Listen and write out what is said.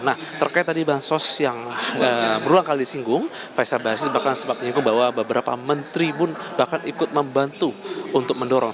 nah terkait tadi bansos yang berulang kali disinggung faisal basri bahkan sempat menyinggung bahwa beberapa menteri pun bahkan ikut membantu untuk mendorong